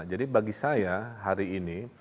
jadi bagi saya hari ini